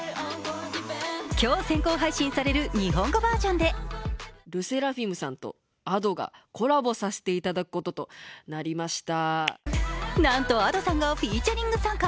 今日、先行配信される日本語バージョンでなんとＡｄｏさんがフィーチャリング参加。